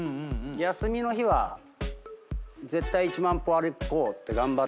休みの日は絶対１万歩歩こうって頑張ってやってて。